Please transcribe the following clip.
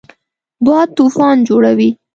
باد طوفان جوړوي